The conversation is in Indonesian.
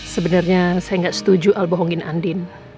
sebenernya saya gak setuju al bohongin andin